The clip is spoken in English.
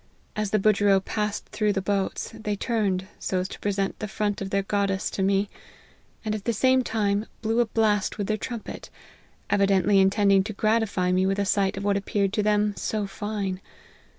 As the budgerow passed through the boats, they turned, so as to present the front of their goddess to me ; and at the same time, blew a blast with their trumpet, evidently intending to gratify me with a sight of what appeared to them so fine.